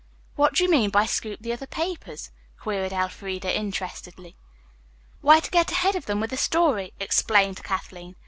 '" "What do you mean by 'scoop the other papers'?" queried Elfreda interestedly. "Why, to get ahead of them with a story," explained Kathleen.